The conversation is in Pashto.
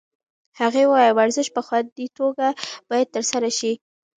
هغې وویل ورزش په خوندي توګه باید ترسره شي.